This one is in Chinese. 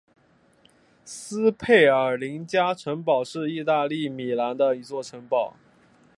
斯佩尔林加城堡是意大利米兰的一座城堡。